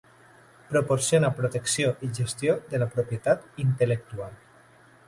Proporciona protecció i gestió de la propietat intel·lectual.